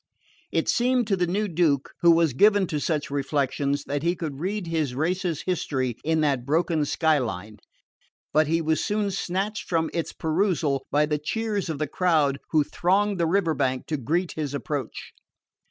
It seemed to the new Duke, who was given to such reflections, that he could read his race's history in that broken skyline; but he was soon snatched from its perusal by the cheers of the crowd who thronged the river bank to greet his approach.